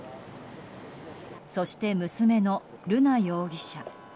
そして、娘の瑠奈容疑者。